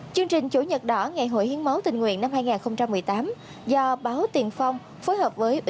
chương trình chủ nhật đỏ ngày hội hiến máu tình nguyện năm hai nghìn một mươi tám do báo tiền phong phối hợp với ủy ban